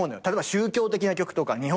例えば宗教的な曲とか。